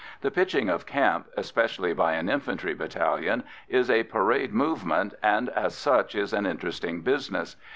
The pitching of camp, especially by an infantry battalion, is a parade movement, and as such is an interesting business.